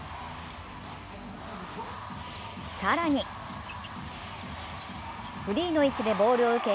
更にフリーの位置でボールを受け